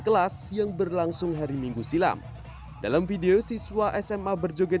kelas yang berlangsung hari minggu silam dalam video siswa sma berjoget